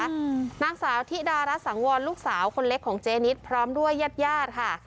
อืมนางสาวธิดารัฐสังวรลูกสาวคนเล็กของเจนิดพร้อมด้วยญาติญาติค่ะ